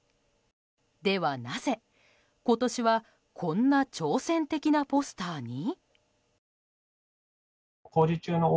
ではなぜ、今年はこんな挑戦的なポスターに？